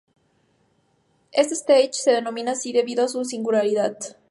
Este "stage" de denomina así debido a su singularidad.